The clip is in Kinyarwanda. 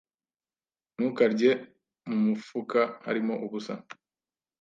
Ntukarye mu mufuka harimo ubusa.